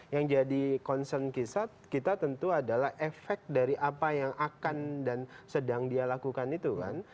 yang jadi concern kita kita tentu adalah efek dari apa yang akan dan sedang dia lakukan itu kan